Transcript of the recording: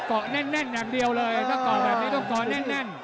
เกาะแน่นอย่างเดียวเลยถ้าเกาะแบบนี้ต้องเกาะแน่น